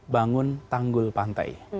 bangun tanggul pantai